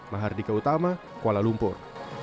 mahardika utama kuala lumpur